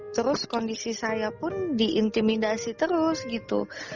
terus kondisi saya pun diintimidasi terus gitu